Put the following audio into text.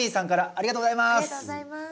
ありがとうございます。